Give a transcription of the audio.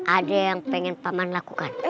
ada yang pengen paman lakukan